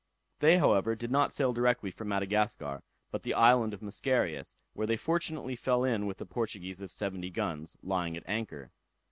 They, however, did not sail directly for Madagascar, but the island of Mascarius, where they fortunately fell in with a Portuguese of seventy guns, lying at anchor.